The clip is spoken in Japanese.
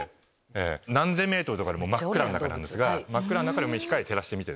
何千ｍって真っ暗な中なんですが真っ暗な中で光照らしてみて。